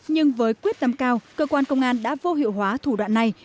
nhưng với quyết tâm cao cơ quan công an đã vô hiệu hóa thủ đoạn này